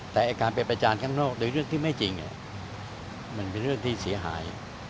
แต่การไปประจานข้างนอกโดยเรื่องที่ไม่จริงมันเป็นเรื่องที่เสียหาย